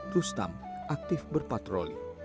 rustam aktif berpatroli